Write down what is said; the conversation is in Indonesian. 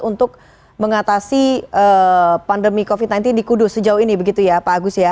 untuk mengatasi pandemi covid sembilan belas di kudus sejauh ini begitu ya pak agus ya